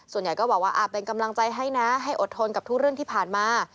ส่วนใหญ่ก็บอกว่าเป็นกำลังใจให้นะให้อดทนกับทุกเรื่องที่ผ่านมา